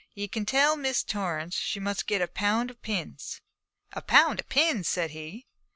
'Ye can tell Miss Torrance she must get a pound of pins.' 'A pound of pins!' said he.